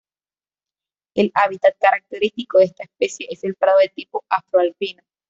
El hábitat característico de esta especie es el prado de tipo afro-alpino.